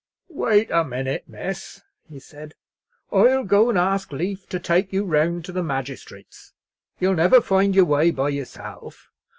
"Wait a minute, miss," he said; "I'll go and ask lief to take you round to the magistrate's. You'll never find your way by yourself.